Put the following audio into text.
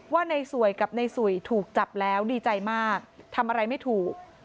ว่าในสวยกับในสุยถูกจับแล้วดีใจมากทำอะไรไม่ถูก